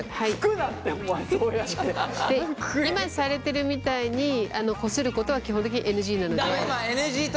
今されてるみたいにこすることは基本的にＮＧなので。